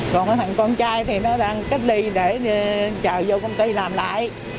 còn thằng con trai thì nó đang cách ly để chờ vô công ty làm lại